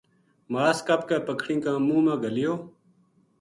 ماس کَپ کے پکھنی کا منہ ما گھلیو